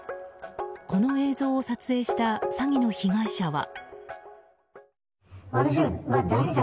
この映像を撮影した詐欺の被害者は。